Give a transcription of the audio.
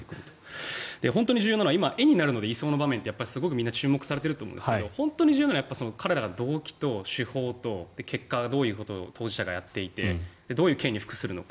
本当に重要なのは絵になるので移送の場面ってすごくみんな注目されていると思うんですが本当に大事なのは彼らの手法と動機と結果がどういうことを当事者がやっていてどういう刑に服すのか。